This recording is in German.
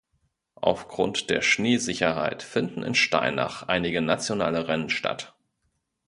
Aufgrund der Schneesicherheit finden in Steinach einige nationale Rennen statt.